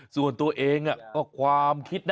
ส่วนตัวเองก็ความคิดนะ